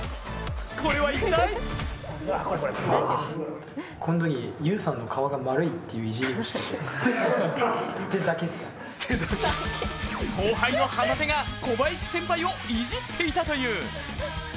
これは一体後輩の旗手が小林先輩をいじっていたという。